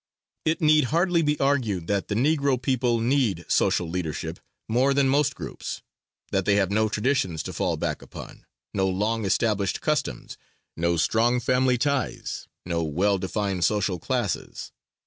It need hardly be argued that the Negro people need social leadership more than most groups; that they have no traditions to fall back upon, no long established customs, no strong family ties, no well defined social classes.